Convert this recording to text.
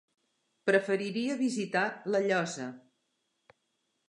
Preferiria visitar La Llosa.